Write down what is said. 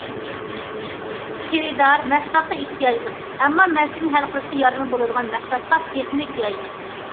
خېرىدار مەھسۇلاتقا ئېھتىياجلىق، ئەمما، مەسىلىنى ھەل قىلىشقا ياردىمى بولىدىغان مەھسۇلاتقا تېخىمۇ ئېھتىياجلىق.